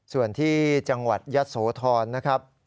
ส่วนที่จังหวัดยะโสธรนะครับ